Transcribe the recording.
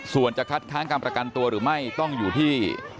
ส่วนจะคัดค้างการประกันตัวหรือไม่ต้องอยู่ที่